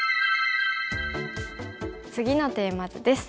次のテーマ図です。